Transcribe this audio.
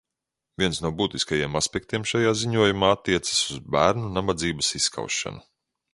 Viens no būtiskajiem aspektiem šajā ziņojumā attiecas uz bērnu nabadzības izskaušanu.